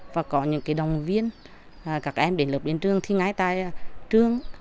và có những cái đồng viên các em để lập đến trường thì ngái tay trường